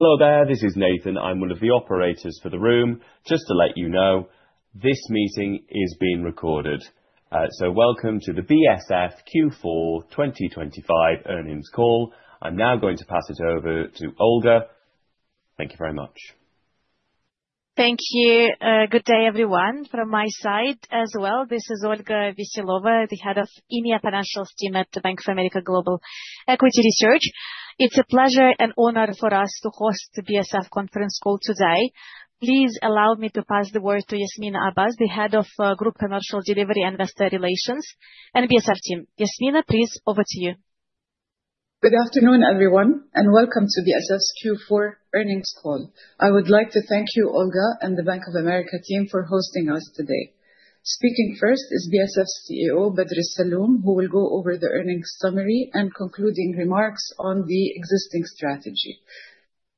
Hello there. This is Nathan. I'm one of the operators for the room. Just to let you know, this meeting is being recorded. Welcome to the BSF Q4 2025 earnings call. I'm now going to pass it over to Olga. Thank you very much. Thank you. Good day, everyone, from my side as well. This is Olga Veselova, the Head of EMEA Financials team at Bank of America Global Equity Research. It's a pleasure and honor for us to host the BSF conference call today. Please allow me to pass the word to Yasminah Abbas, the Head of Group Commercial Delivery, Investor Relations and BSF team. Yasminah, please, over to you. Good afternoon, everyone, welcome to BSF's Q4 earnings call. I would like to thank you, Olga and the Bank of America team for hosting us today. Speaking first is BSF CEO, Bader Alsalloom, who will go over the earnings summary and concluding remarks on the existing strategy.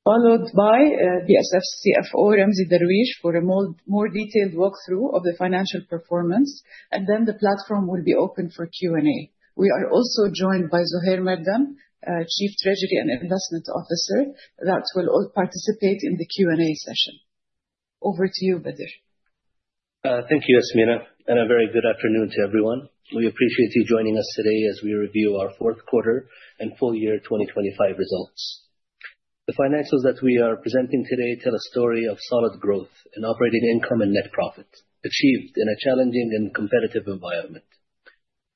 Followed by, BSF CFO, Ramzy Darwish, for a more detailed walkthrough of the financial performance. The platform will be open for Q&A. We are also joined by Zuhair Mardam, Chief Treasury and Investment Officer, that will all participate in the Q&A session. Over to you, Bader. Thank you, Yasminah, a very good afternoon to everyone. We appreciate you joining us today as we review our fourth quarter and full year 2025 results. The financials that we are presenting today tell a story of solid growth in operating income and net profit, achieved in a challenging and competitive environment.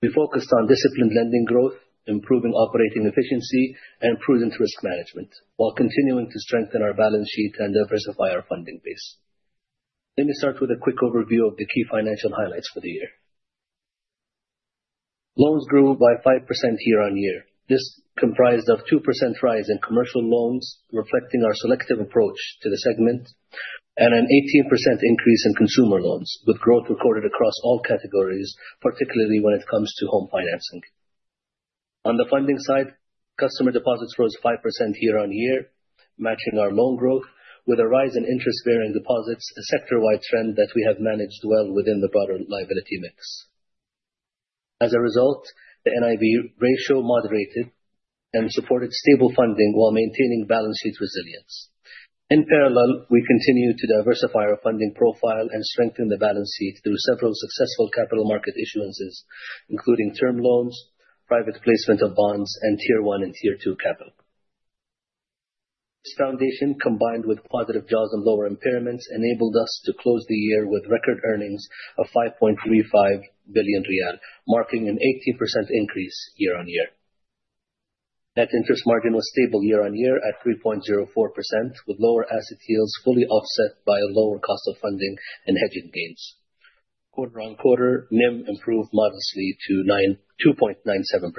We focused on disciplined lending growth, improving operating efficiency and prudent risk management, while continuing to strengthen our balance sheet and diversify our funding base. Let me start with a quick overview of the key financial highlights for the year. Loans grew by 5% year-on-year. This comprised of 2% rise in commercial loans, reflecting our selective approach to the segment, and an 18% increase in consumer loans with growth recorded across all categories, particularly when it comes to home financing. On the funding side, customer deposits rose 5% year-on-year, matching our loan growth with a rise in interest bearing deposits, a sector-wide trend that we have managed well within the broader liability mix. As a result, the NIB ratio moderated and supported stable funding while maintaining balance sheet resilience. In parallel, we continue to diversify our funding profile and strengthen the balance sheet through several successful capital market issuances, including term loans, private placement of bonds, and Tier 1 and Tier 2 capital. This foundation, combined with positive jaws and lower impairments, enabled us to close the year with record earnings of 5.35 billion riyal, marking an 18% increase year-on-year. Net interest margin was stable year-on-year at 3.04%, with lower asset yields fully offset by a lower cost of funding and hedging gains. Quarter-on-quarter NIM improved modestly to 2.97%.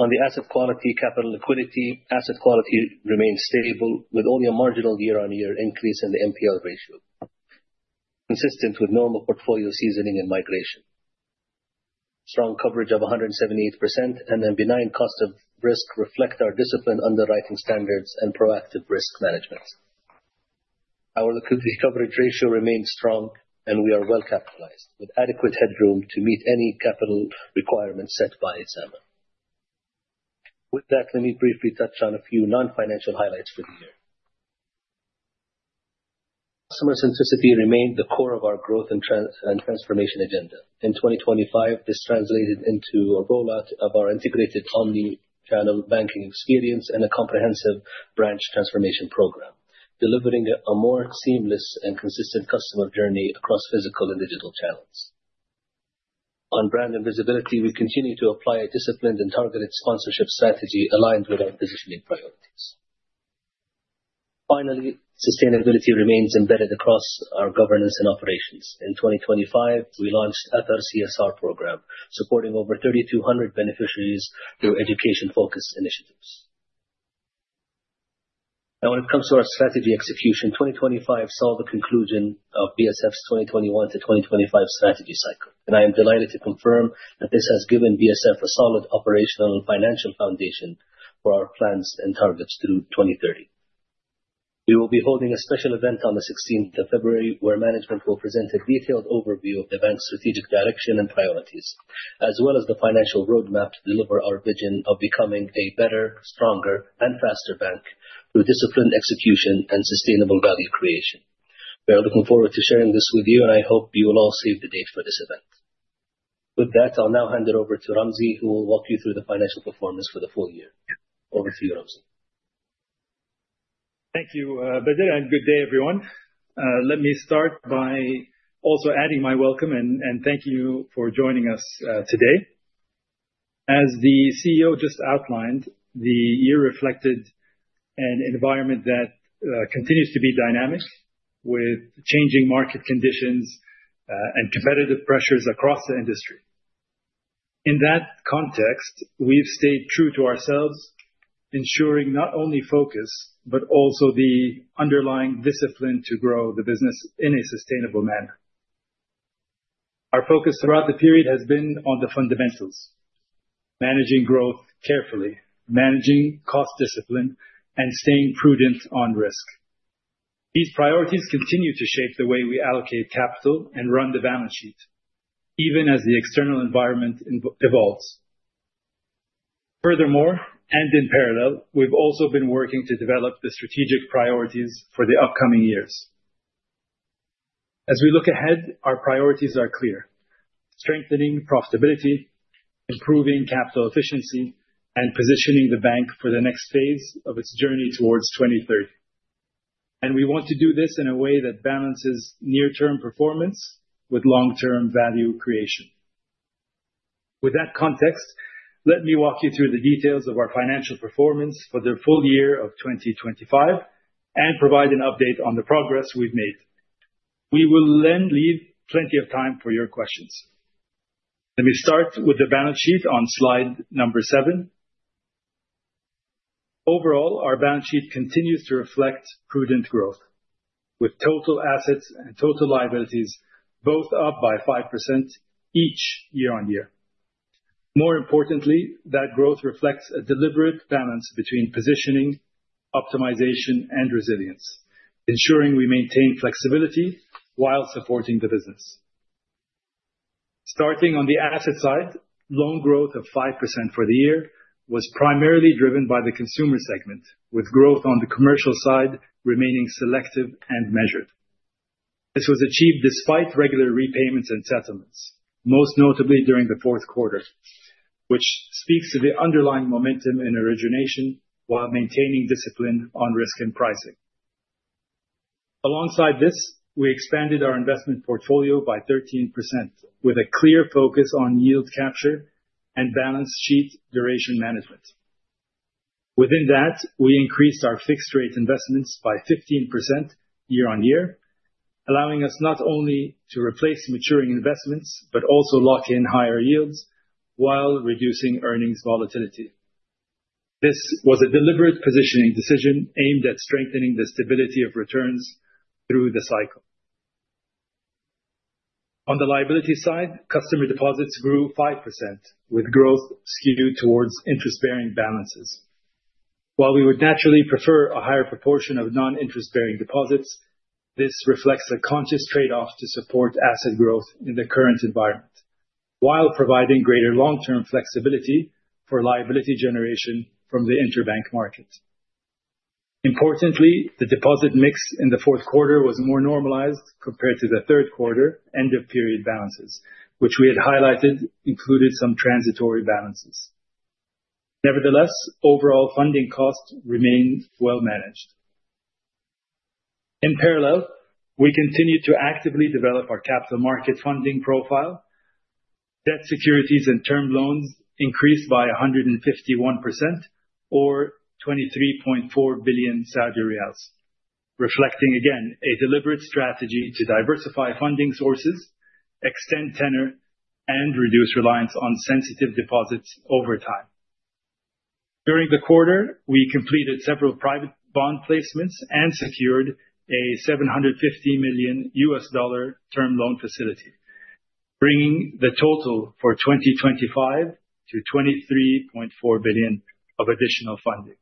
On the asset quality, capital liquidity. Asset quality remains stable with only a marginal year-on-year increase in the NPL ratio, consistent with normal portfolio seasoning and migration. Strong coverage of 178% and a benign cost of risk reflect our disciplined underwriting standards and proactive risk management. Our liquidity coverage ratio remains strong and we are well capitalized with adequate headroom to meet any capital requirements set by SAMA. With that, let me briefly touch on a few non-financial highlights for the year. Customer centricity remained the core of our growth and transformation agenda. In 2025, this translated into a rollout of our integrated omni-channel banking experience and a comprehensive branch transformation program, delivering a more seamless and consistent customer journey across physical and digital channels. On brand and visibility, we continue to apply a disciplined and targeted sponsorship strategy aligned with our positioning priorities. Finally, sustainability remains embedded across our governance and operations. In 2025, we launched Athar CSR program supporting over 3,200 beneficiaries through education focused initiatives. When it comes to our strategy execution, 2025 saw the conclusion of BSF's 2021-2025 strategy cycle, and I am delighted to confirm that this has given BSF a solid operational and financial foundation for our plans and targets through 2030. We will be holding a special event on the 16th of February, where management will present a detailed overview of the bank's strategic direction and priorities, as well as the financial roadmap to deliver our vision of becoming a better, stronger and faster bank through disciplined execution and sustainable value creation. We are looking forward to sharing this with you, and I hope you will all save the date for this event. With that, I'll now hand it over to Ramzy, who will walk you through the financial performance for the full year. Over to you, Ramzy. Thank you, Bader. Good day, everyone. Let me start by also adding my welcome and thank you for joining us today. As the CEO just outlined, the year reflected an environment that continues to be dynamic with changing market conditions and competitive pressures across the industry. In that context, we've stayed true to ourselves, ensuring not only focus, but also the underlying discipline to grow the business in a sustainable manner. Our focus throughout the period has been on the fundamentals: managing growth carefully, managing cost discipline, and staying prudent on risk. These priorities continue to shape the way we allocate capital and run the balance sheet, even as the external environment evolves. Furthermore, in parallel, we've also been working to develop the strategic priorities for the upcoming years. As we look ahead, our priorities are clear: strengthening profitability, improving capital efficiency, and positioning the bank for the next phase of its journey towards 2030. We want to do this in a way that balances near-term performance with long-term value creation. With that context, let me walk you through the details of our financial performance for the full year of 2025 and provide an update on the progress we've made. We will then leave plenty of time for your questions. Let me start with the balance sheet on slide number seven. Overall, our balance sheet continues to reflect prudent growth with total assets and total liabilities both up by 5% each year-on-year. More importantly, that growth reflects a deliberate balance between positioning, optimization, and resilience, ensuring we maintain flexibility while supporting the business. Starting on the asset side, loan growth of 5% for the year was primarily driven by the consumer segment, with growth on the commercial side remaining selective and measured. This was achieved despite regular repayments and settlements, most notably during the fourth quarter, which speaks to the underlying momentum in origination while maintaining discipline on risk and pricing. Alongside this, we expanded our investment portfolio by 13% with a clear focus on yield capture and balance sheet duration management. Within that, we increased our fixed rate investments by 15% year-on-year, allowing us not only to replace maturing investments, but also lock in higher yields while reducing earnings volatility. This was a deliberate positioning decision aimed at strengthening the stability of returns through the cycle. On the liability side, customer deposits grew 5%, with growth skewed towards interest-bearing balances. While we would naturally prefer a higher proportion of non-interest-bearing deposits, this reflects a conscious trade-off to support asset growth in the current environment while providing greater long-term flexibility for liability generation from the interbank market. Importantly, the deposit mix in the fourth quarter was more normalized compared to the third quarter end-of-period balances, which we had highlighted included some transitory balances. Nevertheless, overall funding costs remained well managed. In parallel, we continued to actively develop our capital market funding profile. Debt securities and term loans increased by 151% or 23.4 billion Saudi riyals, reflecting again a deliberate strategy to diversify funding sources, extend tenor, and reduce reliance on sensitive deposits over time. During the quarter, we completed several private bond placements and secured a $750 million term loan facility, bringing the total for 2025 to 23.4 billion of additional funding.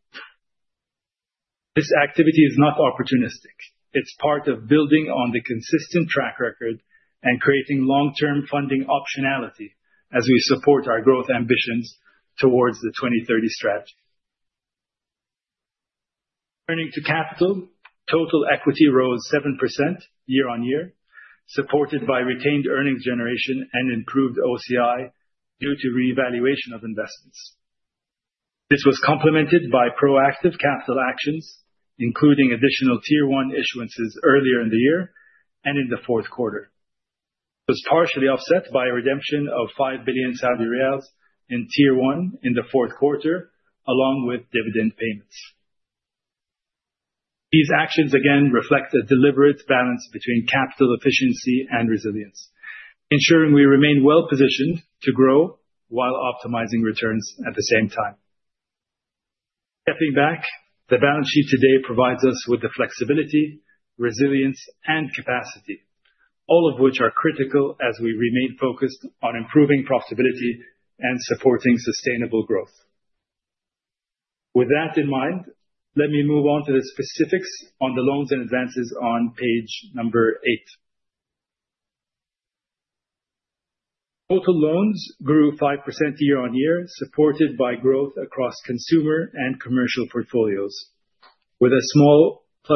This activity is not opportunistic. It's part of building on the consistent track record and creating long-term funding optionality as we support our growth ambitions towards the 2030 strategy. Turning to capital, total equity rose 7% year-on-year, supported by retained earnings generation and improved OCI due to revaluation of investments. This was complemented by proactive capital actions, including additional Tier 1 issuances earlier in the year and in the fourth quarter. It was partially offset by a redemption of 5 billion Saudi riyals in Tier 1 in the fourth quarter, along with dividend payments. These actions again reflect a deliberate balance between capital efficiency and resilience, ensuring we remain well-positioned to grow while optimizing returns at the same time. Stepping back, the balance sheet today provides us with the flexibility, resilience, and capacity, all of which are critical as we remain focused on improving profitability and supporting sustainable growth. With that in mind, let me move on to the specifics on the loans and advances on page eight. Total loans grew 5% year-on-year, supported by growth across consumer and commercial portfolios with a ±1%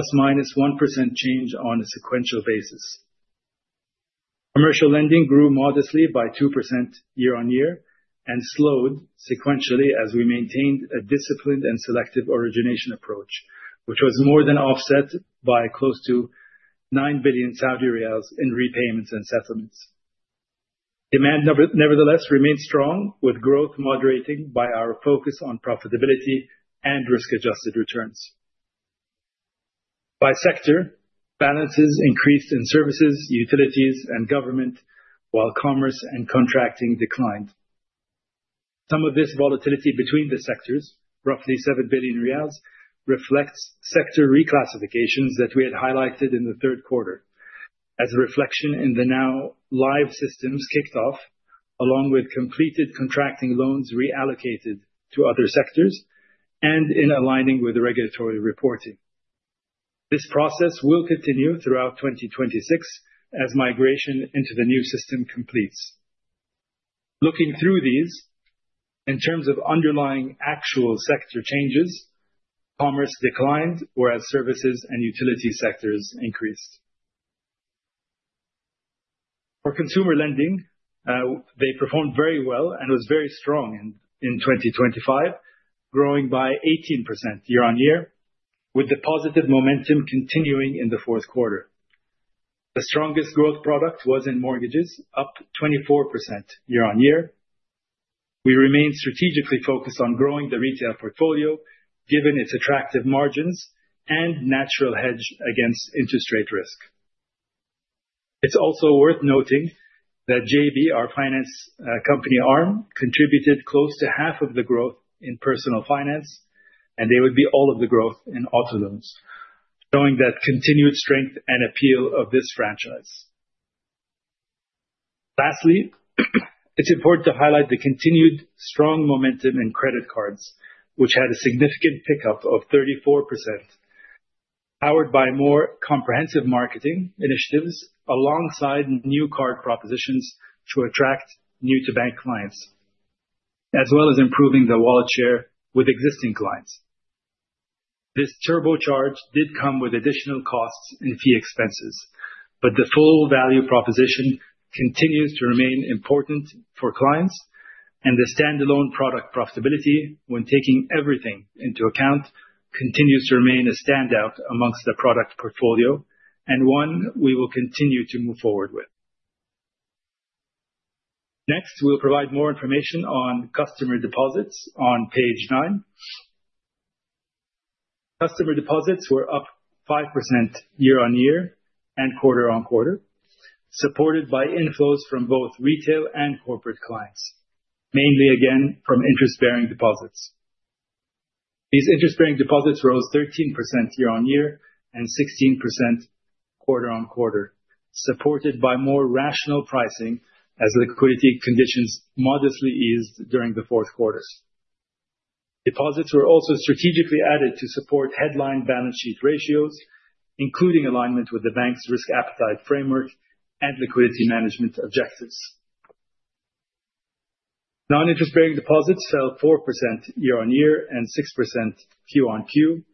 change on a sequential basis. Commercial lending grew modestly by 2% year-on-year and slowed sequentially as we maintained a disciplined and selective origination approach, which was more than offset by close to 9 billion Saudi riyals in repayments and settlements. Demand, nevertheless, remains strong with growth moderating by our focus on profitability and risk-adjusted returns. By sector, balances increased in services, utilities, and government, while commerce and contracting declined. Some of this volatility between the sectors, roughly 7 billion riyals, reflects sector reclassifications that we had highlighted in the third quarter. As a reflection in the now live systems kicked off, along with completed contracting loans reallocated to other sectors, and in aligning with the regulatory reporting. This process will continue throughout 2026 as migration into the new system completes. Looking through these, in terms of underlying actual sector changes, commerce declined, whereas services and utility sectors increased. For consumer lending, they performed very well and it was very strong in 2025, growing by 18% year-on-year, with the positive momentum continuing in the fourth quarter. The strongest growth product was in mortgages, up 24% year-on-year. We remain strategically focused on growing the retail portfolio given its attractive margins and natural hedge against interest rate risk. It's also worth noting that JB, our finance company arm, contributed close to half of the growth in personal finance, and they would be all of the growth in auto loans, showing that continued strength and appeal of this franchise. Lastly, it's important to highlight the continued strong momentum in credit cards, which had a significant pickup of 34%, powered by more comprehensive marketing initiatives alongside new card propositions to attract new-to-bank clients, as well as improving the wallet share with existing clients. The turbocharge did come with additional costs in fee expenses, the full value proposition continues to remain important for clients, and the standalone product profitability, when taking everything into account, continues to remain a standout amongst the product portfolio and one we will continue to move forward with. Next, we will provide more information on customer deposits on page nine. Customer deposits were up 5% year-on-year and quarter-on-quarter, supported by inflows from both retail and corporate clients, mainly again from interest-bearing deposits. These interest-bearing deposits rose 13% year-on-year and 16% quarter-on-quarter, supported by more rational pricing as liquidity conditions modestly eased during the fourth quarter. Deposits were also strategically added to support headline balance sheet ratios, including alignment with the bank's risk appetite framework and liquidity management objectives. Non-interest-bearing deposits fell 4% year-on-year and 6% Q-on-Q,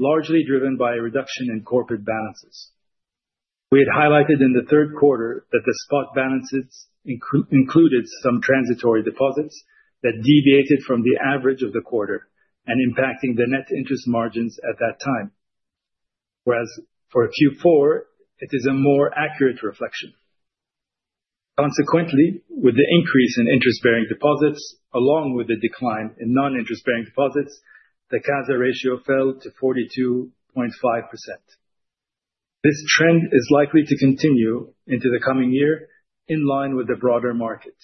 largely driven by a reduction in corporate balances. We had highlighted in the third quarter that the spot balances included some transitory deposits that deviated from the average of the quarter and impacting the net interest margins at that time. For Q4, it is a more accurate reflection. Consequently, with the increase in interest-bearing deposits, along with the decline in non-interest-bearing deposits, the CASA ratio fell to 42.5%. This trend is likely to continue into the coming year in line with the broader market.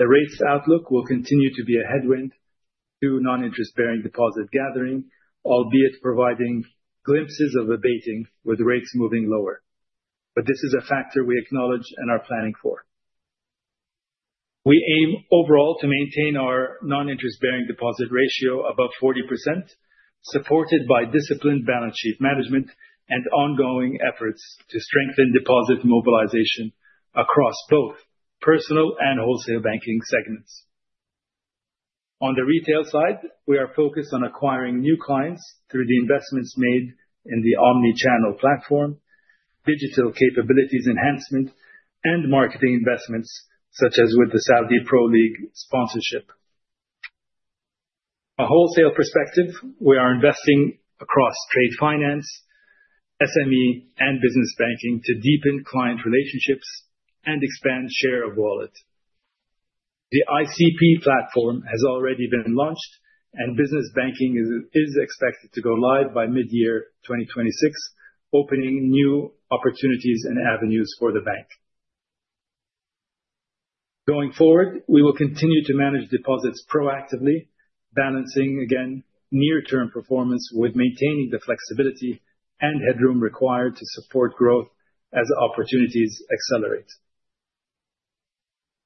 The rates outlook will continue to be a headwind to non-interest-bearing deposit gathering, albeit providing glimpses of abating with rates moving lower. This is a factor we acknowledge and are planning for. We aim overall to maintain our non-interest-bearing deposit ratio above 40%, supported by disciplined balance sheet management and ongoing efforts to strengthen deposit mobilization across both personal and wholesale banking segments. On the retail side, we are focused on acquiring new clients through the investments made in the omni-channel platform, digital capabilities enhancement, and marketing investments such as with the Saudi Pro League sponsorship. A wholesale perspective, we are investing across trade finance, SME, and business banking to deepen client relationships and expand share of wallet. The ICP platform has already been launched and business banking is expected to go live by mid-year 2026, opening new opportunities and avenues for the bank. Going forward, we will continue to manage deposits proactively, balancing, again, near-term performance with maintaining the flexibility and headroom required to support growth as opportunities accelerate.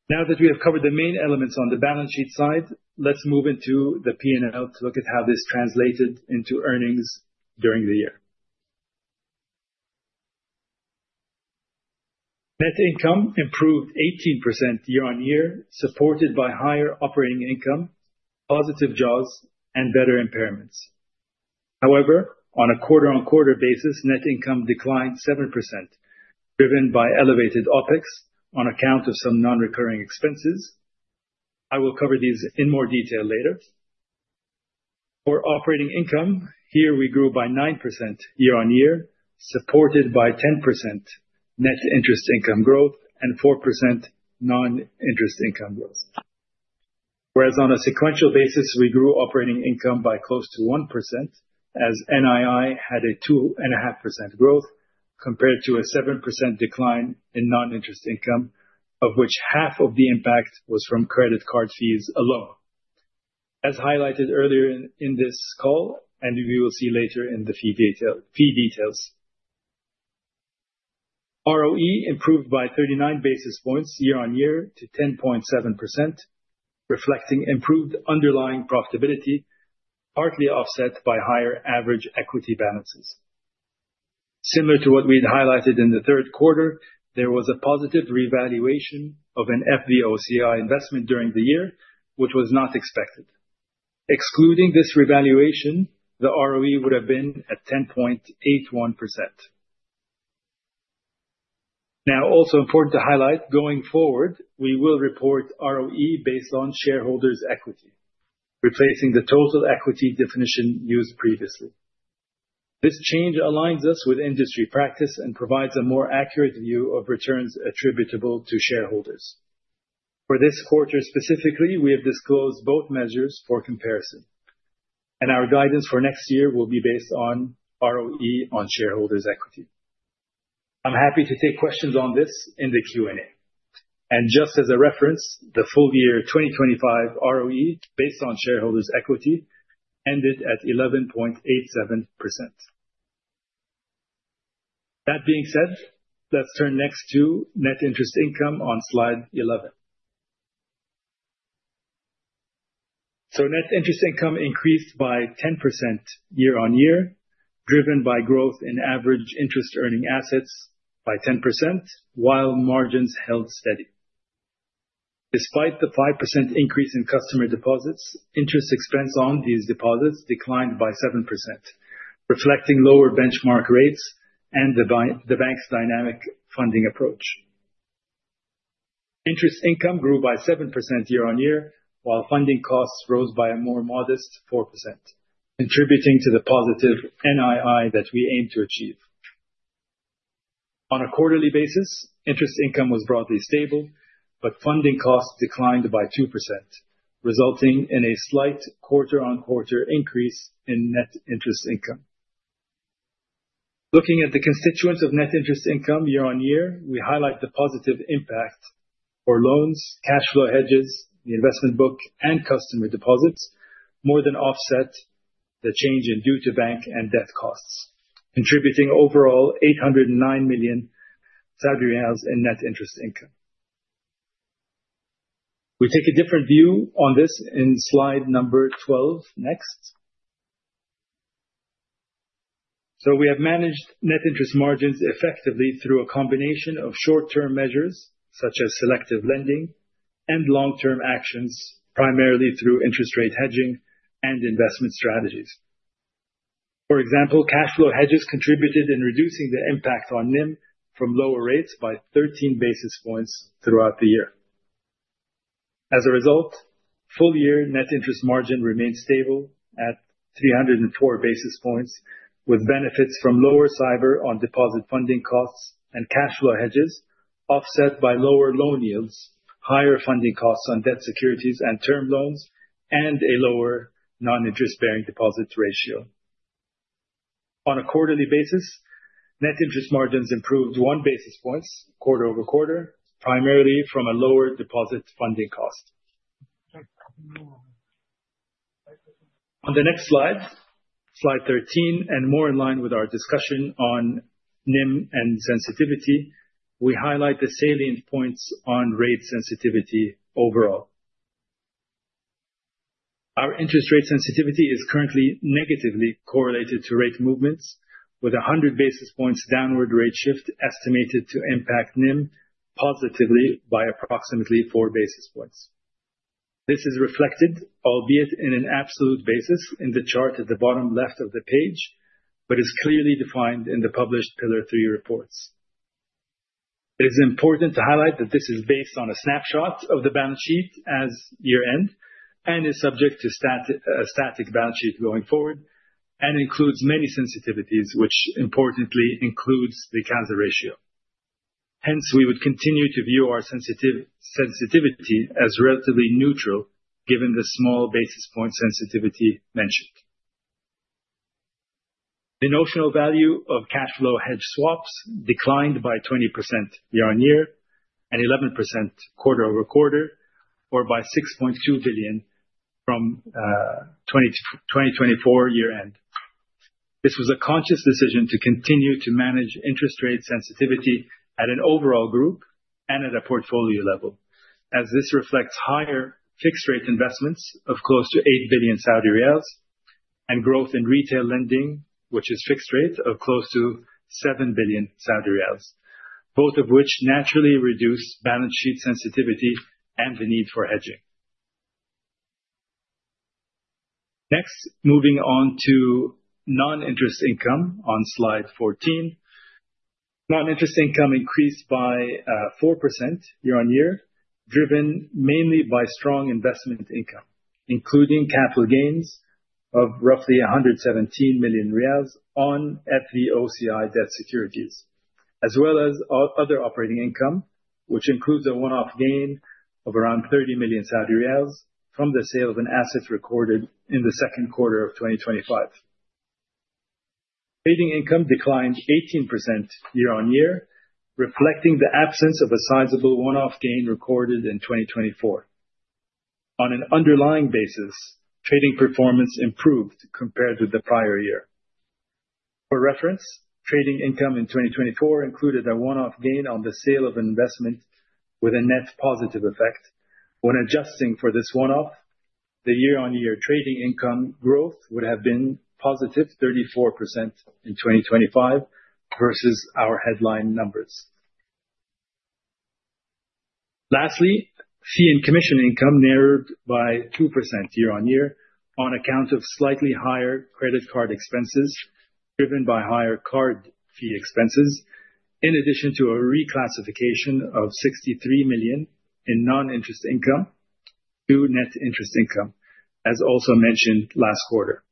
Now that we have covered the main elements on the balance sheet side, let's move into the P&L to look at how this translated into earnings during the year. Net income improved 18% year-on-year, supported by higher operating income, positive jaws, and better impairments. On a quarter-on-quarter basis, net income declined 7%, driven by elevated OpEx on account of some non-recurring expenses. I will cover these in more detail later. Operating income, here we grew by 9% year-on-year, supported by 10% net interest income growth and 4% non-interest income growth. On a sequential basis, we grew operating income by close to 1% as NII had a 2.5% growth compared to a 7% decline in non-interest income, of which half of the impact was from credit card fees alone. As highlighted earlier in this call, and we will later in the fee details. ROE improved by 39 basis points year-on-year to 10.7%, reflecting improved underlying profitability, partly offset by higher average equity balances. Similar to what we highlighted in the third quarter, there was a positive revaluation of an FVO CI investment during the year, which was not expected. Excluding this revaluation, the ROE would have been at 10.81%. Also important to highlight, going forward, we will report ROE based on shareholders' equity, replacing the total equity definition used previously. This change aligns us with industry practice and provides a more accurate view of returns attributable to shareholders. For this quarter specifically, we have disclosed both measures for comparison, and our guidance for next year will be based on ROE on shareholders' equity. I am happy to take questions on this in the Q&A. Just as a reference, the FY 2025 ROE, based on shareholders' equity, ended at 11.87%. Let us turn next to net interest income on slide 11. Net interest income increased by 10% year-on-year, driven by growth in average interest earning assets by 10% while margins held steady. Despite the 5% increase in customer deposits, interest expense on these deposits declined by 7%, reflecting lower benchmark rates and the bank's dynamic funding approach. Interest income grew by 7% year-on-year, while funding costs rose by a more modest 4%, contributing to the positive NII that we aim to achieve. On a quarterly basis, interest income was broadly stable, funding costs declined by 2%, resulting in a slight quarter-on-quarter increase in net interest income. Looking at the constituents of net interest income year-on-year, we highlight the positive impact for loans, cash flow hedges, the investment book, and customer deposits more than offset the change in due to bank and debt costs, contributing overall SAR 809 million in NII. We take a different view on this in slide 12. We have managed net interest margins effectively through a combination of short-term measures, such as selective lending, and long-term actions, primarily through interest rate hedging and investment strategies. For example, cash flow hedges contributed in reducing the impact on NIM from lower rates by 13 basis points throughout the year. As a result, full-year net interest margin remains stable at 304 basis points, with benefits from lower SAIBOR on deposit funding costs and cash flow hedges offset by lower loan yields, higher funding costs on debt securities and term loans, and a lower NIBs ratio. On a quarterly basis, net interest margins improved 1 basis points quarter-over-quarter, primarily from a lower deposit funding cost. On the next slide 13, and more in line with our discussion on NIM and sensitivity, we highlight the salient points on rate sensitivity overall. Our interest rate sensitivity is currently negatively correlated to rate movements with 100 basis points downward rate shift estimated to impact NIM positively by approximately 4 basis points. This is reflected, albeit in an absolute basis in the chart at the bottom left of the page, but is clearly defined in the published Pillar 3 reports. It is important to highlight that this is based on a snapshot of the balance sheet as year-end, and is subject to a static balance sheet going forward, and includes many sensitivities, which importantly includes the CANSLIM ratio. Hence, we would continue to view our sensitivity as relatively neutral given the small basis point sensitivity mentioned. The notional value of cash flow hedge swaps declined by 20% year-on-year, and 11% quarter-over-quarter, or by SAR 6.2 billion from 2024 year end. This was a conscious decision to continue to manage interest rate sensitivity at an overall group and at a portfolio level, as this reflects higher fixed rate investments of close to 8 billion Saudi riyals and growth in retail lending, which is fixed rate of close to 7 billion Saudi riyals, both of which naturally reduce balance sheet sensitivity and the need for hedging. Next, moving on to non-interest income on slide fourteen. Non-interest income increased by 4% year-on-year, driven mainly by strong investment income, including capital gains of roughly 117 million riyals on FVO CI debt securities. As well as other operating income, which includes a one-off gain of around 30 million Saudi riyals from the sales and assets recorded in the second quarter of 2025. Trading income declined 18% year-on-year, reflecting the absence of a sizable one-off gain recorded in 2024. On an underlying basis, trading performance improved compared to the prior year. For reference, trading income in 2024 included a one-off gain on the sale of investment with a net positive effect. When adjusting for this one-off, the year-on-year trading income growth would have been positive 34% in 2025 versus our headline numbers. Lastly, fee and commission income narrowed by 2% year-on-year on account of slightly higher credit card expenses driven by higher card fee expenses, in addition to a reclassification of 63 million in non-interest income to net interest income, as also mentioned last quarter.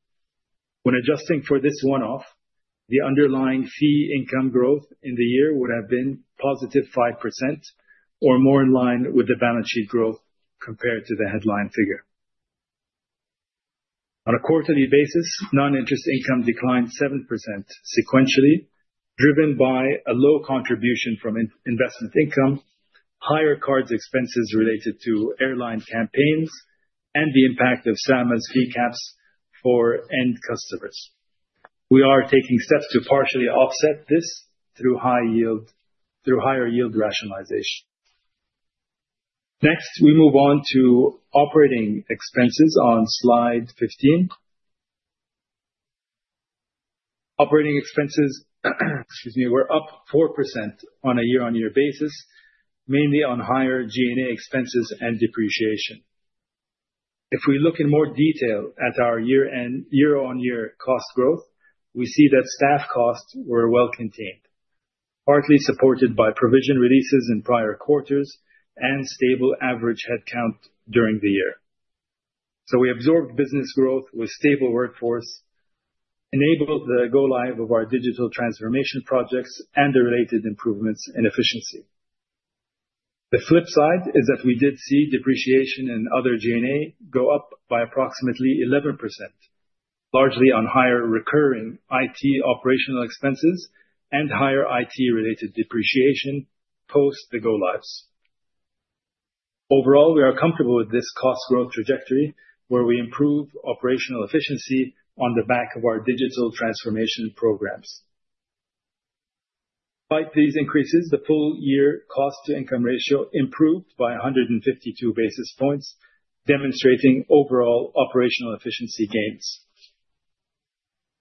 When adjusting for this one-off, the underlying fee income growth in the year would have been positive 5% or more in line with the balance sheet growth compared to the headline figure. On a quarterly basis, non-interest income declined 7% sequentially, driven by a low contribution from investment income, higher cards expenses related to airline campaigns, and the impact of SAMA's fee caps for end customers. We are taking steps to partially offset this through higher yield rationalization. Next, we move on to operating expenses on slide 15. Operating expenses, excuse me, were up 4% on a year-on-year basis, mainly on higher G&A expenses and depreciation. If we look in more detail at our year-on-year cost growth, we see that staff costs were well contained, partly supported by provision releases in prior quarters and stable average headcount during the year. We absorbed business growth with stable workforce, enabled the go live of our digital transformation projects and the related improvements in efficiency. The flip side is that we did see depreciation in other G&A go up by approximately 11%, largely on higher recurring IT operational expenses and higher IT-related depreciation post the go-lives. Overall, we are comfortable with this cost growth trajectory where we improve operational efficiency on the back of our digital transformation programs. Despite these increases, the full-year cost-to-income ratio improved by 152 basis points, demonstrating overall operational efficiency gains.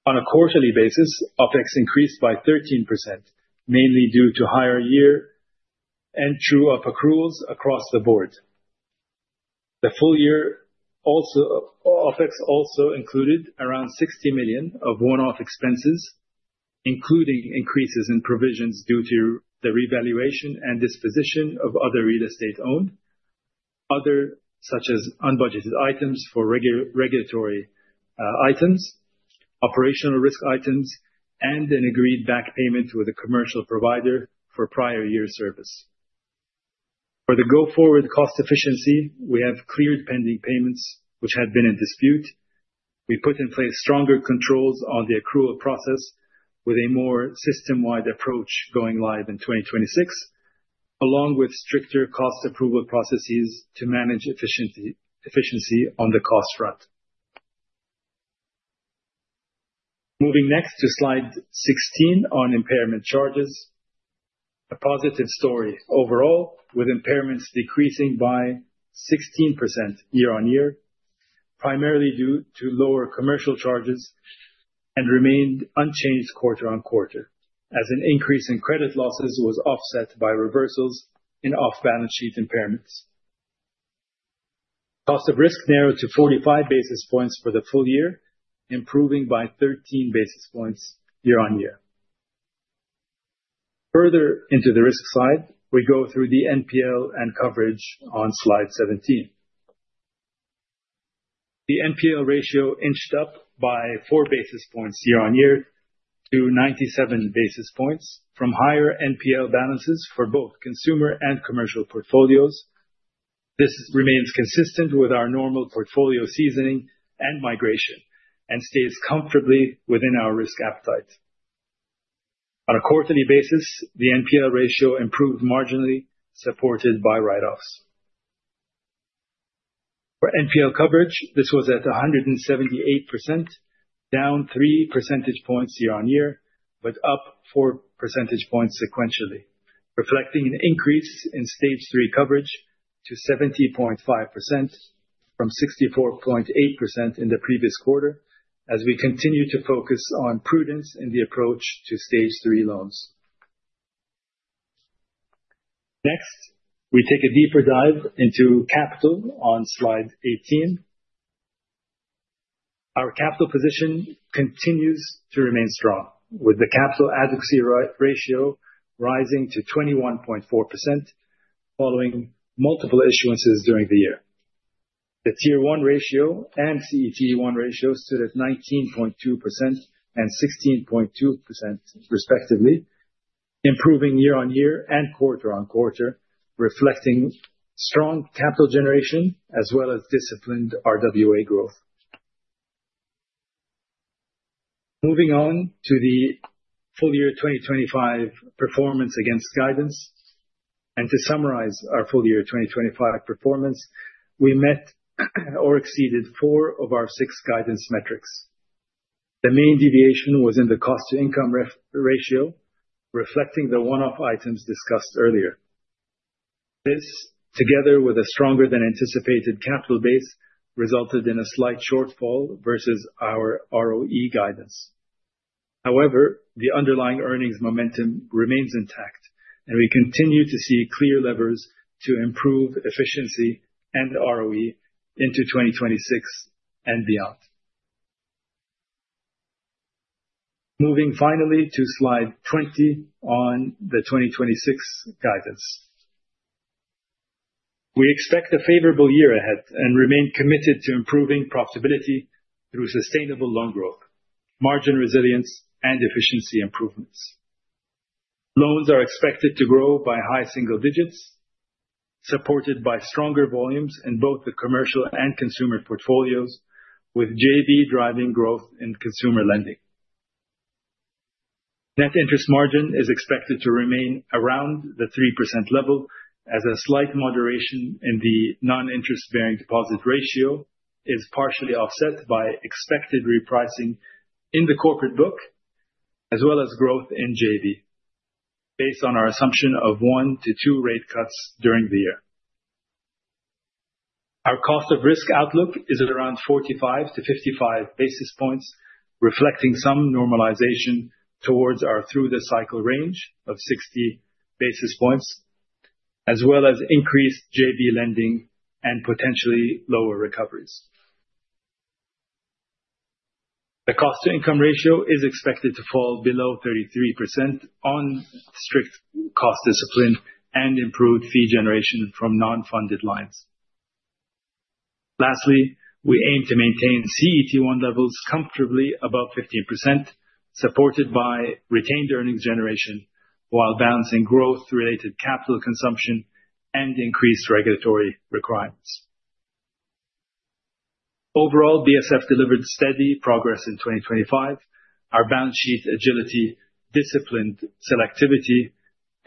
On a quarterly basis, OpEx increased by 13%, mainly due to higher year-end true-up accruals across the board. The full-year OpEx also included around 60 million of one-off expenses, including increases in provisions due to the revaluation and disposition of other real estate owned, other such as unbudgeted items for regulatory items, operational risk items, and an agreed back payment with a commercial provider for prior year service. For the go-forward cost efficiency, we have cleared pending payments which had been in dispute. We put in place stronger controls on the accrual process with a more system-wide approach going live in 2026, along with stricter cost approval processes to manage efficiency on the cost front. Moving next to slide 16 on impairment charges. A positive story overall, with impairments decreasing by 16% year-on-year, primarily due to lower commercial charges and remained unchanged quarter-on-quarter as an increase in credit losses was offset by reversals in off-balance sheet impairments. Cost of risk narrowed to 45 basis points for the full-year, improving by 13 basis points year-on-year. Further into the risk slide, we go through the NPL and coverage on slide 17. The NPL ratio inched up by four basis points year-on-year to 97 basis points from higher NPL balances for both consumer and commercial portfolios. This remains consistent with our normal portfolio seasoning and migration and stays comfortably within our risk appetite. On a quarterly basis, the NPL ratio improved marginally, supported by write-offs. For NPL coverage, this was at 178%, down three percentage points year-on-year, but up four percentage points sequentially, reflecting an increase in stage 3 coverage to 70.5% from 64.8% in the previous quarter as we continue to focus on prudence in the approach to stage 3 loans. Next, we take a deeper dive into capital on slide 18. Our capital position continues to remain strong, with the capital adequacy ratio rising to 21.4% following multiple issuances during the year. The Tier 1 ratio and CET1 ratio stood at 19.2% and 16.2% respectively. Improving year-on-year and quarter-on-quarter, reflecting strong capital generation as well as disciplined RWA growth. Moving on to the full-year 2025 performance against guidance, and to summarize our full-year 2025 performance, we met or exceeded four of our six guidance metrics. The main deviation was in the cost-to-income ratio, reflecting the one-off items discussed earlier. This, together with a stronger than anticipated capital base, resulted in a slight shortfall versus our ROE guidance. However, the underlying earnings momentum remains intact, and we continue to see clear levers to improve efficiency and ROE into 2026 and beyond. Moving finally to slide 20 on the 2026 guidance. We expect a favorable year ahead and remain committed to improving profitability through sustainable loan growth, margin resilience, and efficiency improvements. Loans are expected to grow by high single digits, supported by stronger volumes in both the commercial and consumer portfolios, with JB driving growth in consumer lending. Net interest margin is expected to remain around the 3% level as a slight moderation in the non-interest-bearing deposit ratio is partially offset by expected repricing in the corporate book, as well as growth in JB, based on our assumption of one to two rate cuts during the year. Our cost of risk outlook is at around 45 to 55 basis points, reflecting some normalization towards our through-the-cycle range of 60 basis points, as well as increased JB lending and potentially lower recoveries. The cost-to-income ratio is expected to fall below 33% on strict cost discipline and improved fee generation from non-funded lines. Lastly, we aim to maintain CET1 levels comfortably above 15%, supported by retained earnings generation while balancing growth-related capital consumption and increased regulatory requirements. Overall, BSF delivered steady progress in 2025. Our balance sheet agility, disciplined selectivity,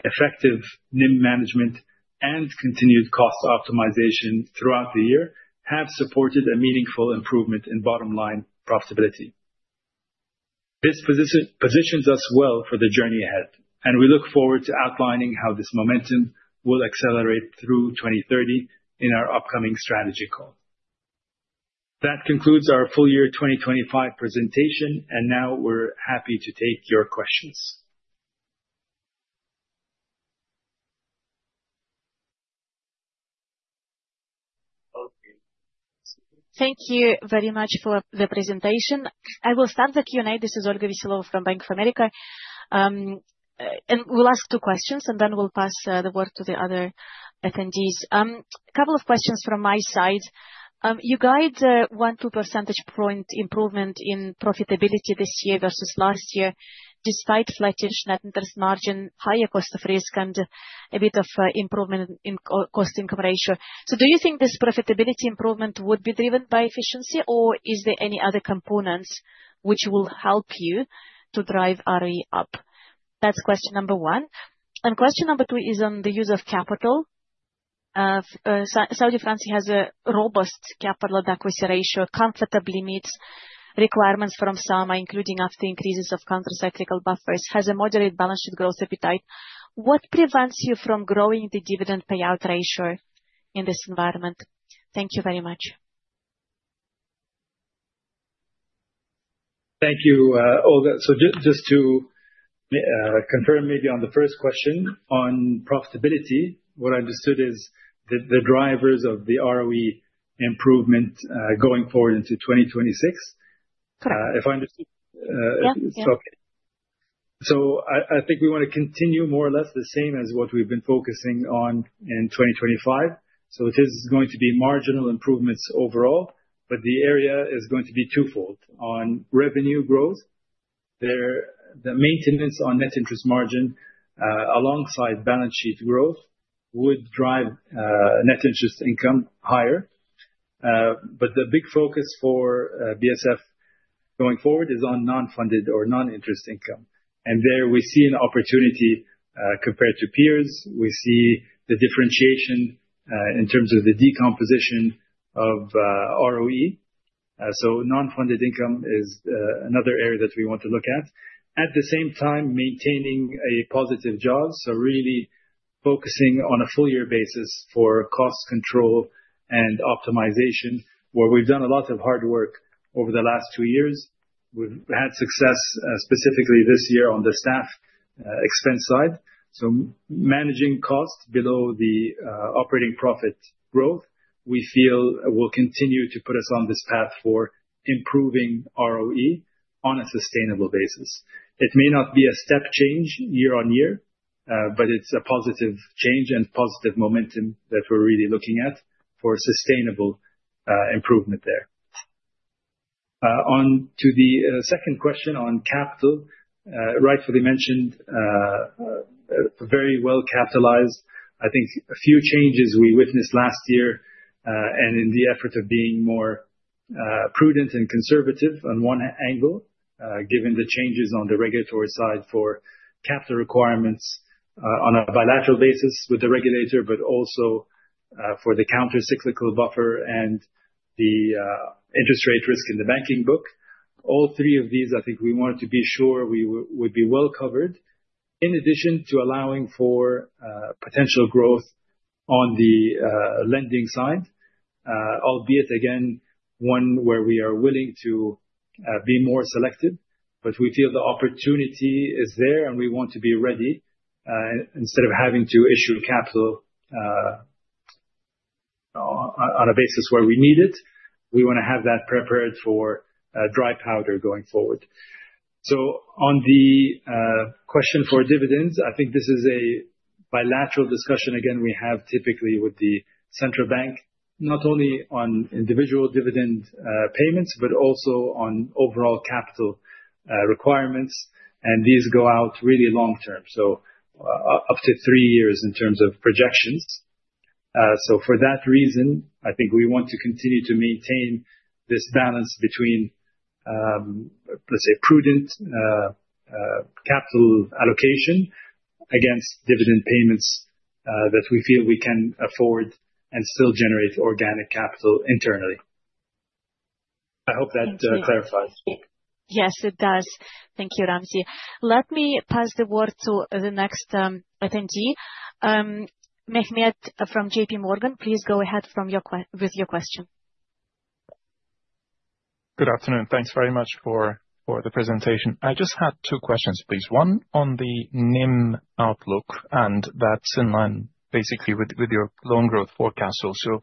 effective NIM management, and continued cost optimization throughout the year have supported a meaningful improvement in bottom-line profitability. This positions us well for the journey ahead, and we look forward to outlining how this momentum will accelerate through 2030 in our upcoming strategy call. That concludes our full year 2025 presentation, and now we are happy to take your questions. Okay. Thank you very much for the presentation. I will start the Q&A. This is Olga Veselova from Bank of America. We will ask two questions, and then we will pass the work to the other attendees. A couple of questions from my side. You guide one, two percentage point improvement in profitability this year versus last year, despite flat-ish net interest margin, higher cost of risk, and a bit of improvement in cost-income ratio. Do you think this profitability improvement would be driven by efficiency, or are there any other components which will help you to drive ROE up? That is question number one. Question number two is on the use of capital. Saudi Fransi has a robust capital adequacy ratio, comfortably meets requirements from SAMA, including after increases of countercyclical buffers, has a moderate balance sheet growth appetite. What prevents you from growing the dividend payout ratio in this environment? Thank you very much. Thank you, Olga. Just to confirm, maybe on the first question on profitability, what I understood is the drivers of the ROE improvement going forward into 2026. Correct. If I understood. Yeah. Okay. I think we want to continue more or less the same as what we've been focusing on in 2025. It is going to be marginal improvements overall, but the area is going to be twofold. On revenue growth, the maintenance on net interest margin, alongside balance sheet growth, would drive net interest income higher. The big focus for BSF going forward is on non-funded or non-interest income. There we see an opportunity, compared to peers, we see the differentiation in terms of the decomposition of ROE. Non-funded income is another area that we want to look at. At the same time, maintaining a positive jaws. Really focusing on a full year basis for cost control and optimization, where we've done a lot of hard work over the last two years. We've had success specifically this year on the staff expense side. Managing costs below the operating profit growth, we feel will continue to put us on this path for improving ROE on a sustainable basis. It may not be a step change year-on-year, but it's a positive change and positive momentum that we're really looking at for sustainable improvement there. On to the second question on capital, rightfully mentioned, very well capitalized. I think a few changes we witnessed last year, and in the effort of being more prudent and conservative on one angle, given the changes on the regulatory side for capital requirements on a bilateral basis with the regulator, but also for the countercyclical buffer and the interest rate risk in the banking book. All three of these, I think we wanted to be sure we would be well covered, in addition to allowing for potential growth on the lending side. Albeit again, one where we are willing to be more selective. We feel the opportunity is there, and we want to be ready. Instead of having to issue capital on a basis where we need it, we want to have that prepared for dry powder going forward. On the question for dividends, I think this is a bilateral discussion again, we have typically with the central bank, not only on individual dividend payments, but also on overall capital requirements, and these go out really long-term, up to three years in terms of projections. For that reason, I think we want to continue to maintain this balance between, let's say, prudent capital allocation against dividend payments that we feel we can afford and still generate organic capital internally. I hope that clarifies. Yes, it does. Thank you, Ramzy. Let me pass the word to the next attendee. Mehmet from JPMorgan, please go ahead with your question. Good afternoon. Thanks very much for the presentation. I just had two questions, please. One on the NIM outlook, and that's in line basically with your loan growth forecast also.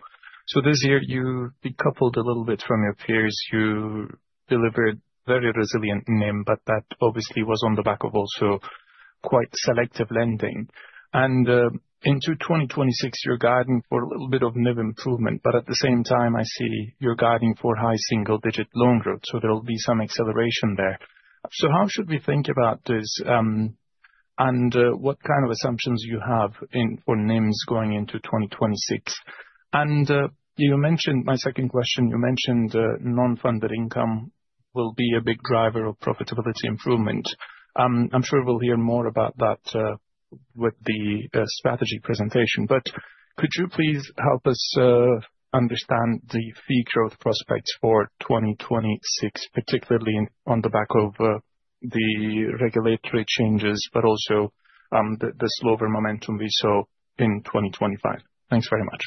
This year you decoupled a little bit from your peers. You delivered very resilient NIM, but that obviously was on the back of also quite selective lending. Into 2026, you're guiding for a little bit of NIM improvement, but at the same time, I see you're guiding for high single-digit loan growth, there'll be some acceleration there. How should we think about this, and what kind of assumptions do you have for NIMs going into 2026? My second question, you mentioned non-funded income will be a big driver of profitability improvement. I'm sure we'll hear more about that with the strategy presentation. Could you please help us understand the fee growth prospects for 2026, particularly on the back of the regulatory changes, but also the slower momentum we saw in 2025? Thanks very much.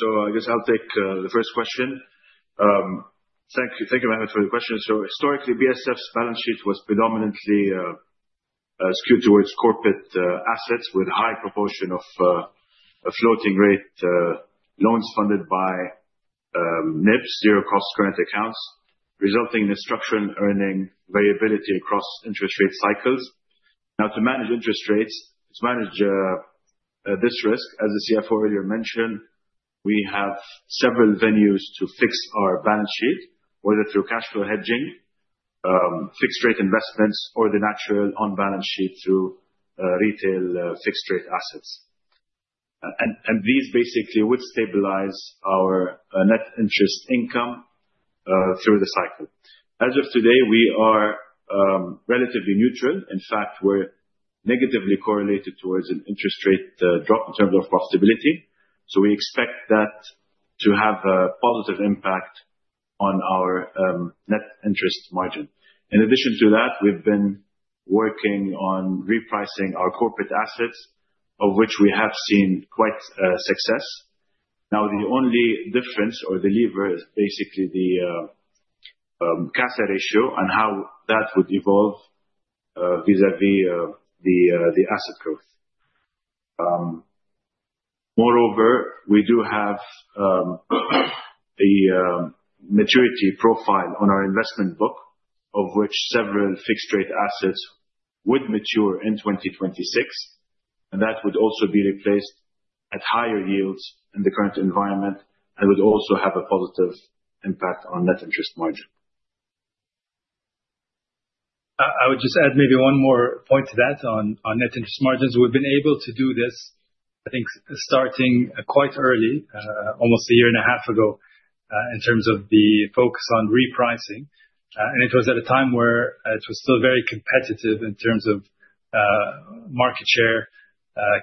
I guess I'll take the first question. Thank you, Mehmet, for the question. Historically, BSF's balance sheet was predominantly skewed towards corporate assets with a high proportion of floating rate loans funded by NIBs, zero cost current accounts, resulting in a structure in earning variability across interest rate cycles. To manage interest rates, to manage this risk, as the CFO earlier mentioned, we have several venues to fix our balance sheet, whether through cash flow hedging, fixed rate investments or the natural on balance sheet through retail fixed rate assets. These basically would stabilize our net interest income through the cycle. As of today, we are relatively neutral. In fact, we're negatively correlated towards an interest rate drop in terms of profitability. We expect that to have a positive impact on our net interest margin. In addition to that, we've been working on repricing our corporate assets, of which we have seen quite a success. The only difference or the lever is basically the CASA ratio and how that would evolve vis-à-vis the asset growth. Moreover, we do have a maturity profile on our investment book, of which several fixed rate assets would mature in 2026, and that would also be replaced at higher yields in the current environment and would also have a positive impact on net interest margin. I would just add maybe one more point to that on net interest margins. We've been able to do this, I think, starting quite early, almost a year and a half ago, in terms of the focus on repricing. It was at a time where it was still very competitive in terms of market share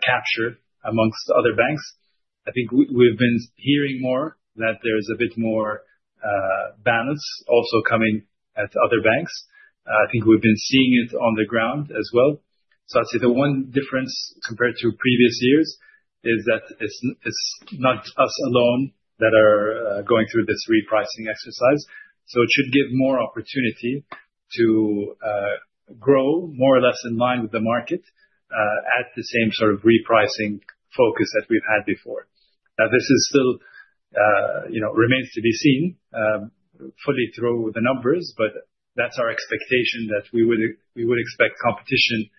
capture amongst other banks. I think we've been hearing more that there's a bit more balance also coming at other banks. I think we've been seeing it on the ground as well. I'd say the one difference compared to previous years is that it's not us alone that are going through this repricing exercise. It should give more opportunity to grow more or less in line with the market, at the same sort of repricing focus that we've had before. This still remains to be seen fully through the numbers. That's our expectation that we would expect competition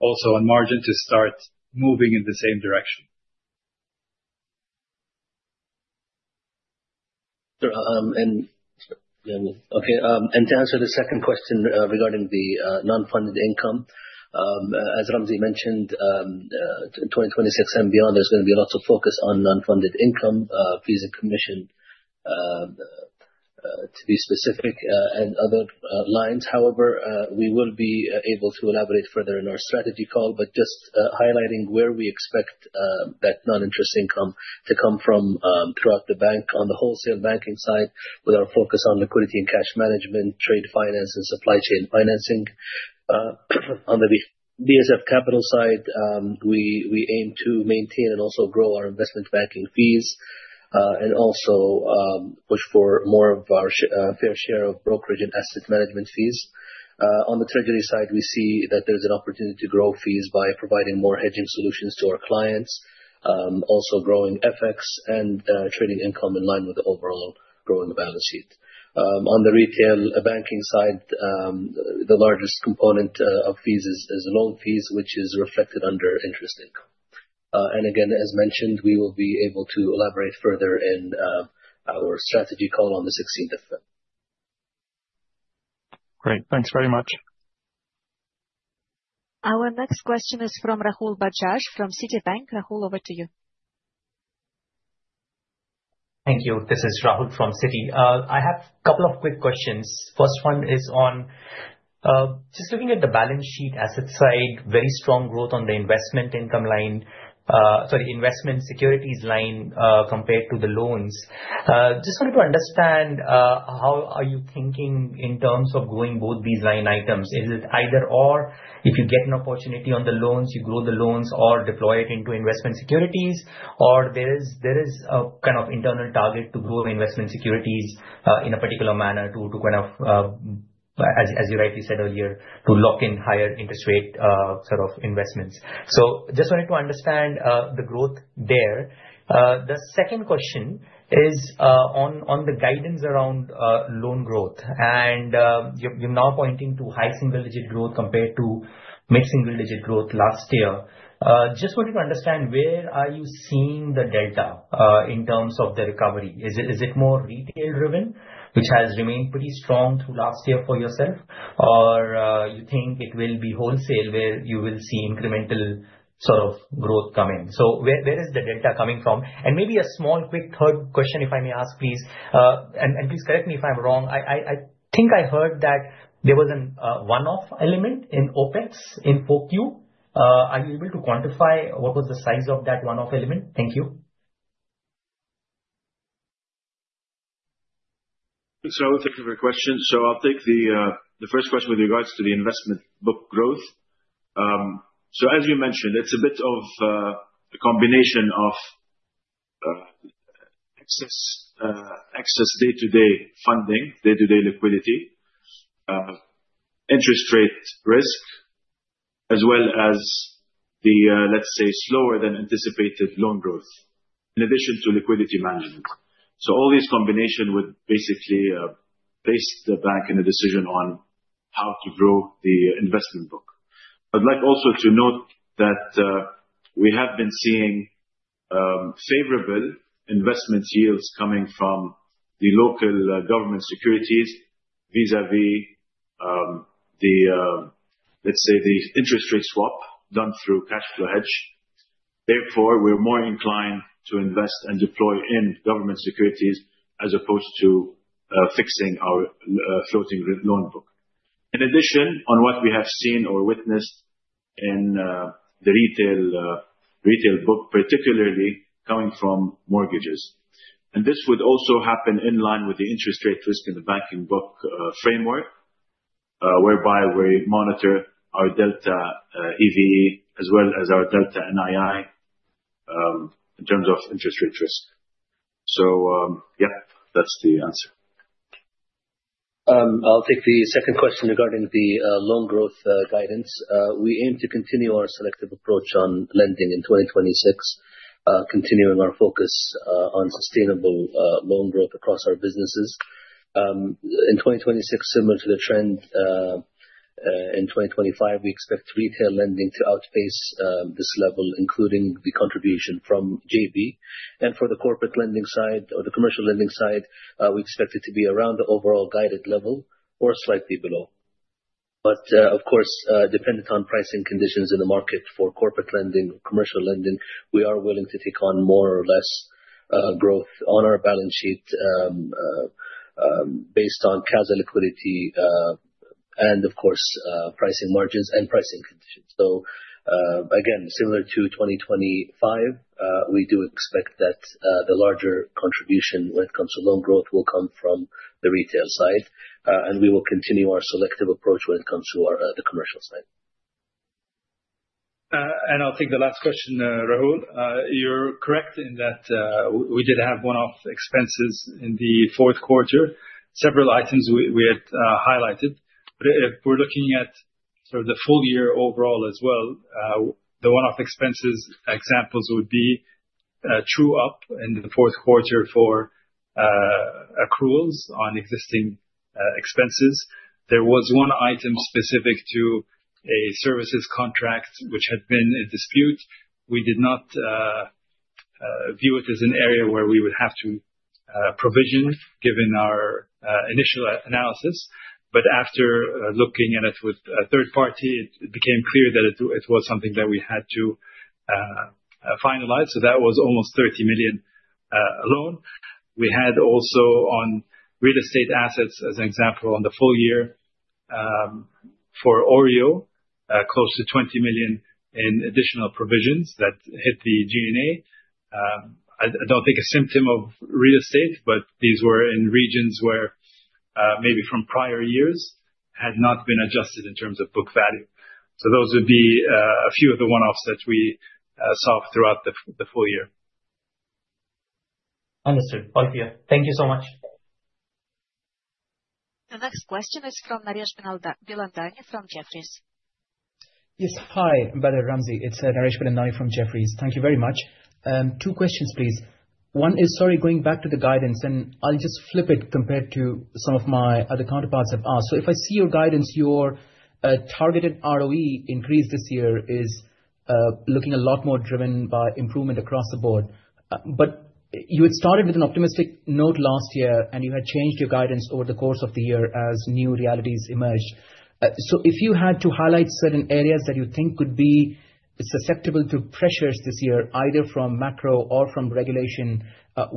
Also on margin to start moving in the same direction. Sure. Okay, to answer the second question regarding the non-funded income, as Ramzy mentioned, in 2026 and beyond, there's going to be lots of focus on non-funded income, fees and commission to be specific, and other lines. However, we will be able to elaborate further in our strategy call, but just highlighting where we expect that non-interest income to come from throughout the bank on the wholesale banking side, with our focus on liquidity and cash management, trade finance, and supply chain financing. On the BSF Capital side, we aim to maintain and also grow our investment banking fees, and also, push for more of our fair share of brokerage and asset management fees. On the treasury side, we see that there's an opportunity to grow fees by providing more hedging solutions to our clients. Also growing FX and trading income in line with the overall growth in the balance sheet. On the retail banking side, the largest component of fees is loan fees, which is reflected under interest income. Again, as mentioned, we will be able to elaborate further in our strategy call on the 16th of February. Great. Thanks very much. Our next question is from Rahul Bajaj from Citibank. Rahul, over to you. Thank you. This is Rahul from Citi. I have couple of quick questions. First one is on, just looking at the balance sheet asset side, very strong growth on the investment income line. Sorry, investment securities line, compared to the loans. Just wanted to understand how are you thinking in terms of growing both these line items. Is it either/or, if you get an opportunity on the loans, you grow the loans or deploy it into investment securities? There is a kind of internal target to grow investment securities, in a particular manner to kind of, as you rightly said earlier, to lock in higher interest rate sort of investments. Just wanted to understand the growth there. The second question is on the guidance around loan growth. You're now pointing to high single digit growth compared to mid single digit growth last year. Just wanted to understand where are you seeing the delta, in terms of the recovery? Is it more retail driven, which has remained pretty strong through last year for yourself? You think it will be wholesale where you will see incremental sort of growth coming? Where is the delta coming from? Maybe a small, quick, third question if I may ask, please. Please correct me if I'm wrong. I think I heard that there was an one-off element in OpEx in 4Q. Are you able to quantify what was the size of that one-off element? Thank you. Thank you for your question. I'll take the first question with regards to the investment book growth. As you mentioned, it's a bit of a combination of excess day-to-day funding, day-to-day liquidity, interest rate risk, as well as the, let's say, slower than anticipated loan growth, in addition to liquidity management. All these combination would basically, place the bank in a decision on how to grow the investment book. I'd like also to note that we have been seeing favorable investment yields coming from the local government securities vis-a-vis, let's say the interest rate swap done through cash flow hedge. Therefore, we're more inclined to invest and deploy in government securities as opposed to fixing our floating rate loan book. In addition, on what we have seen or witnessed in the retail book, particularly coming from mortgages. This would also happen in line with the interest rate risk in the banking book framework, whereby we monitor our delta EVE as well as our delta NII, in terms of interest rate risk. Yeah, that's the answer. I'll take the second question regarding the loan growth guidance. We aim to continue our selective approach on lending in 2026, continuing our focus on sustainable loan growth across our businesses. In 2026, similar to the trend in 2025, we expect retail lending to outpace this level, including the contribution from JB. For the corporate lending side or the commercial lending side, we expect it to be around the overall guided level or slightly below. Of course, dependent on pricing conditions in the market for corporate lending or commercial lending, we are willing to take on more or less growth on our balance sheet based on CASA liquidity, and of course, pricing margins and pricing conditions. Again, similar to 2025, we do expect that the larger contribution when it comes to loan growth will come from the retail side. We will continue our selective approach when it comes to the commercial side. I'll take the last question, Rahul. You're correct in that we did have one-off expenses in the fourth quarter. Several items we had highlighted. If we're looking at sort of the full year overall as well, the one-off expenses examples would be True up in the fourth quarter for accruals on existing expenses. There was one item specific to a services contract which had been in dispute. We did not view it as an area where we would have to provision, given our initial analysis. After looking at it with a third party, it became clear that it was something that we had to finalize. That was almost 30 million alone. We had also on real estate assets, as an example, on the full year, for OREO, close to 20 million in additional provisions that hit the G&A. I don't think a symptom of real estate, but these were in regions where maybe from prior years had not been adjusted in terms of book value. Those would be a few of the one-offs that we saw throughout the full year. Understood. Thank you so much. The next question is from Naresh Pilandani from Jefferies. Yes. Hi, Bader Ramzy. It's Naresh Pilandani from Jefferies. Thank you very much. Two questions, please. One is, sorry, going back to the guidance, and I'll just flip it compared to some of my other counterparts have asked. If I see your guidance, your targeted ROE increase this year is looking a lot more driven by improvement across the board. You had started with an optimistic note last year, and you had changed your guidance over the course of the year as new realities emerged. If you had to highlight certain areas that you think could be susceptible to pressures this year, either from macro or from regulation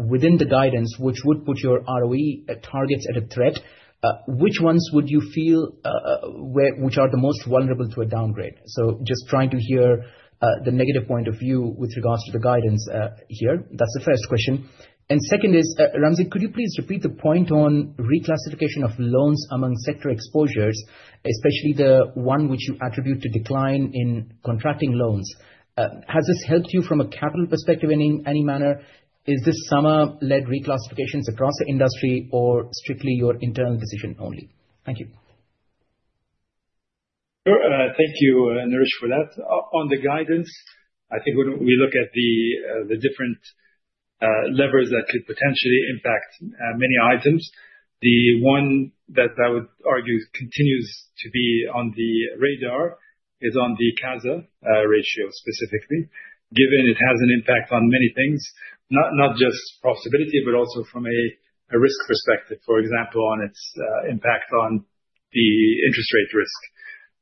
within the guidance, which would put your ROE targets at a threat, which ones would you feel which are the most vulnerable to a downgrade? Just trying to hear the negative point of view with regards to the guidance here. That's the first question. Second is, Ramzy, could you please repeat the point on reclassification of loans among sector exposures, especially the one which you attribute to decline in contracting loans. Has this helped you from a capital perspective in any manner? Is this SAMA-led reclassifications across the industry or strictly your internal decision only? Thank you. Sure. Thank you, Naresh, for that. On the guidance, I think when we look at the different levers that could potentially impact many items, the one that I would argue continues to be on the radar is on the CASA ratio, specifically. Given it has an impact on many things, not just profitability, but also from a risk perspective, for example, on its impact on the interest rate risk.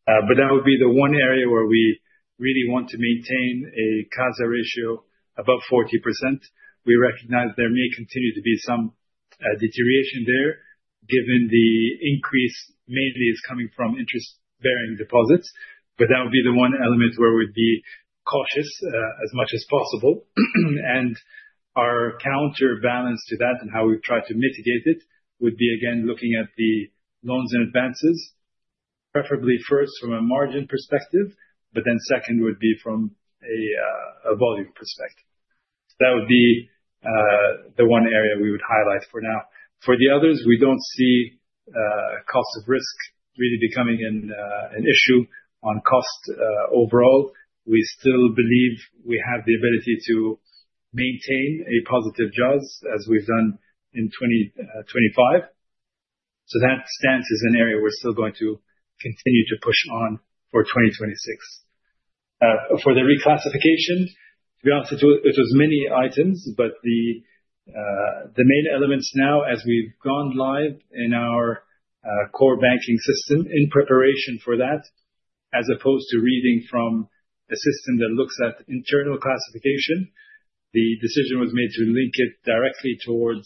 That would be the one area where we really want to maintain a CASA ratio above 40%. We recognize there may continue to be some deterioration there, given the increase mainly is coming from interest-bearing deposits. That would be the one element where we'd be cautious as much as possible. Our counterbalance to that and how we've tried to mitigate it would be, again, looking at the loans and advances, preferably first from a margin perspective, but then second would be from a volume perspective. That would be the one area we would highlight for now. For the others, we don't see cost of risk really becoming an issue on cost overall. We still believe we have the ability to maintain a positive jaws as we've done in 2025. That stance is an area we're still going to continue to push on for 2026. For the reclassification, to be honest, it was many items, but the main elements now as we've gone live in our core banking system in preparation for that, as opposed to reading from a system that looks at internal classification, the decision was made to link it directly towards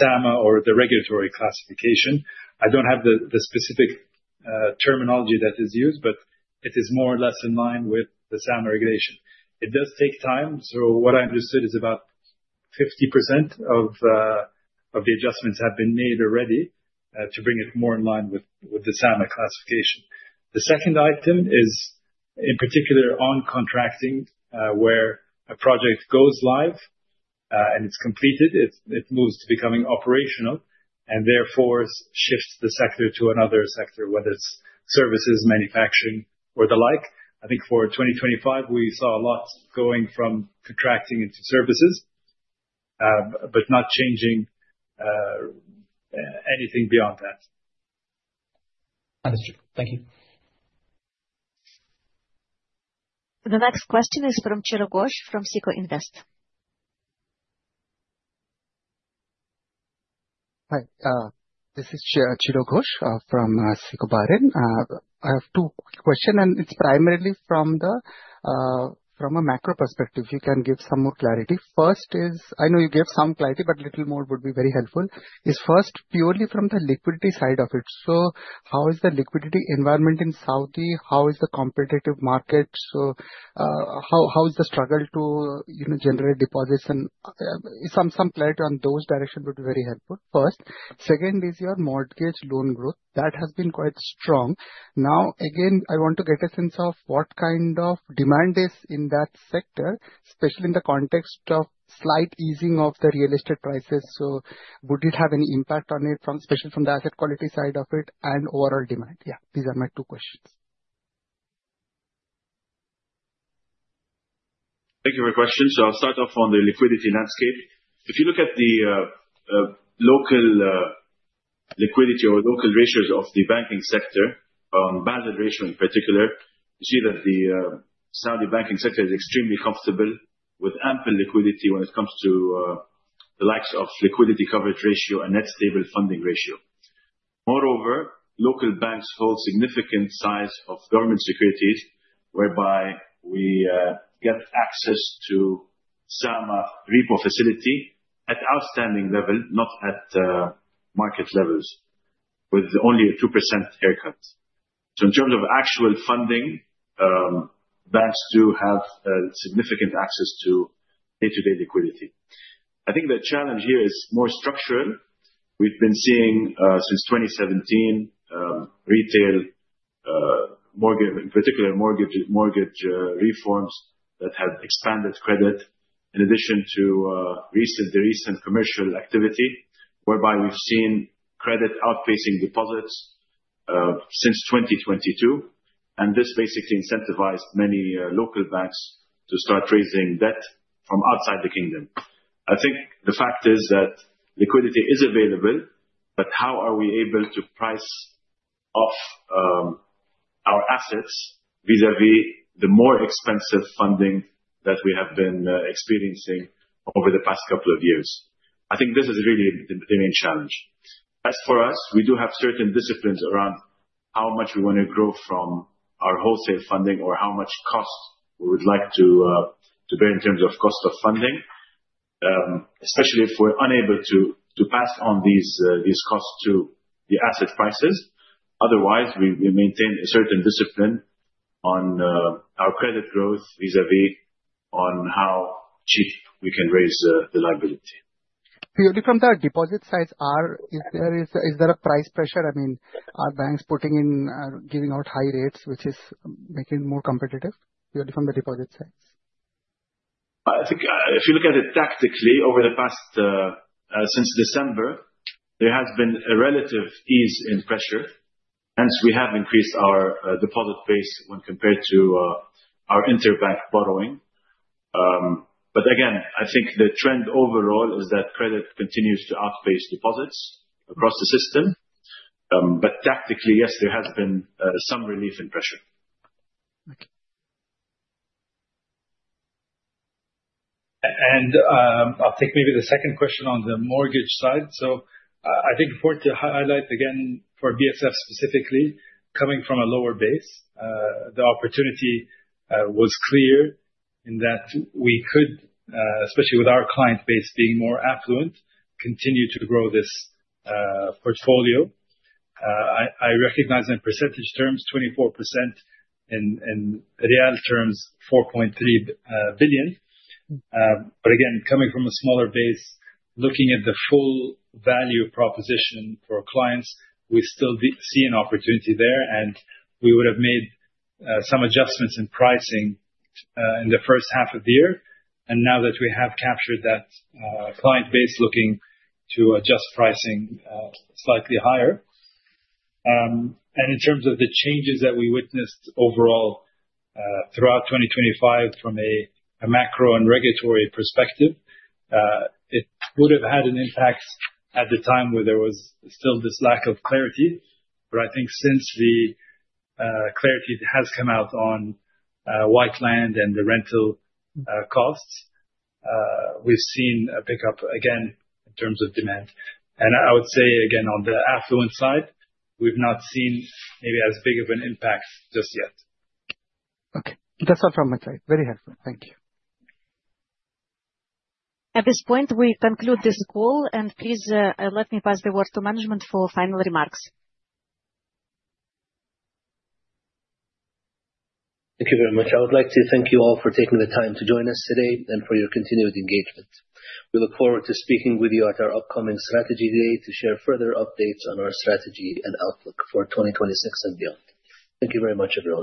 SAMA or the regulatory classification. I don't have the specific terminology that is used, but it is more or less in line with the SAMA regulation. It does take time. What I understood is about 50% of the adjustments have been made already to bring it more in line with the SAMA classification. The second item is in particular on contracting, where a project goes live, and it's completed, it moves to becoming operational, and therefore shifts the sector to another sector, whether it's services, manufacturing, or the like. I think for 2025, we saw a lot going from contracting into services, but not changing anything beyond that. Understood. Thank you. The next question is from Chiro Ghosh from SICO Invest. Hi. This is Chiro Ghosh from SICO Bahrain. I have two quick question. It's primarily from a macro perspective, if you can give some more clarity. First is, I know you gave some clarity, but little more would be very helpful, is first purely from the liquidity side of it. How is the liquidity environment in Saudi? How is the competitive market? How is the struggle to generate deposits and some clarity on those direction would be very helpful, first. Second is your mortgage loan growth. That has been quite strong. Now, again, I want to get a sense of what kind of demand is in that sector, especially in the context of slight easing of the real estate prices. Would it have any impact on it, especially from the asset quality side of it and overall demand? Yeah. These are my two questions. Thank you for your question. I'll start off on the liquidity landscape. If you look at the local liquidity or local ratios of the banking sector, Basel ratio in particular, you see that the Saudi banking sector is extremely comfortable with ample liquidity when it comes to the likes of liquidity coverage ratio and net stable funding ratio. Moreover, local banks hold significant size of government securities, whereby we get access to SAMA repo facility at outstanding level, not at market levels, with only a 2% haircuts. In terms of actual funding, banks do have significant access to day-to-day liquidity. I think the challenge here is more structural. We've been seeing, since 2017, retail mortgage, in particular, mortgage reforms that have expanded credit in addition to the recent commercial activity, whereby we've seen credit outpacing deposits since 2022, this basically incentivized many local banks to start raising debt from outside the kingdom. I think the fact is that liquidity is available, how are we able to price off our assets vis-a-vis the more expensive funding that we have been experiencing over the past couple of years? I think this is really the main challenge. As for us, we do have certain disciplines around how much we want to grow from our wholesale funding or how much costs we would like to bear in terms of cost of funding, especially if we're unable to pass on these costs to the asset prices. Otherwise, we maintain a certain discipline on our credit growth vis-a-vis on how cheap we can raise the liability. Purely from the deposit sides, is there a price pressure? I mean, are banks putting in, giving out high rates, which is making it more competitive purely from the deposit sides? I think if you look at it tactically, over the past, since December, there has been a relative ease in pressure, hence we have increased our deposit base when compared to our interbank borrowing. Again, I think the trend overall is that credit continues to outpace deposits across the system. Tactically, yes, there has been some relief in pressure. Okay. I'll take maybe the second question on the mortgage side. I think before to highlight again, for BSF specifically, coming from a lower base, the opportunity was clear in that we could, especially with our client base being more affluent, continue to grow this portfolio. I recognize in percentage terms, 24%, in SAR terms, 4.3 billion. Again, coming from a smaller base, looking at the full value proposition for our clients, we still see an opportunity there, and we would have made some adjustments in pricing in the first half of the year. Now that we have captured that client base looking to adjust pricing slightly higher. In terms of the changes that we witnessed overall, throughout 2025 from a macro and regulatory perspective, it would have had an impact at the time where there was still this lack of clarity. I think since the clarity has come out on white land and the rental costs, we've seen a pickup again in terms of demand. I would say again, on the affluent side, we've not seen maybe as big of an impact just yet. Okay. That's all from my side. Very helpful. Thank you. At this point, we conclude this call, and please let me pass the word to management for final remarks. Thank you very much. I would like to thank you all for taking the time to join us today and for your continued engagement. We look forward to speaking with you at our upcoming strategy day to share further updates on our strategy and outlook for 2026 and beyond. Thank you very much, everyone.